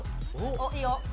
おっいいよ！